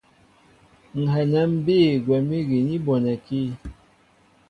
Ŋ̀ hɛnɛ ḿ bîy gwɛ̌m ígi ni bɔnɛkí.